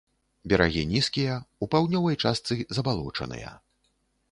Берагі нізкія, у паўднёвай частцы забалочаныя.